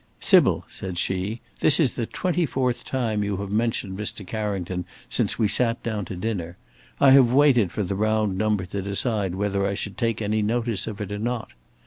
"Sybil," said she, "this is the twenty fourth time you have mentioned Mr. Carrington since we sat down to dinner. I have waited for the round number to decide whether I should take any notice of it or not?